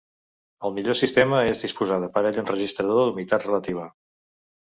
El millor sistema és disposar d’aparell enregistrador d’humitat relativa.